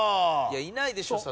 いないでしょ